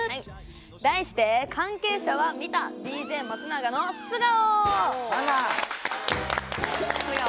題して「関係者は見た！ＤＪ松永の素顔」。